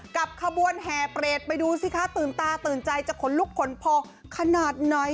กับขบวนแห่เปรตไปดูสิคะตื่นตาตื่นใจจะขนลุกขนพอขนาดไหน